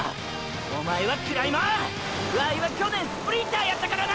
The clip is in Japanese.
おまえはクライマーワイは去年スプリンターやったからな！！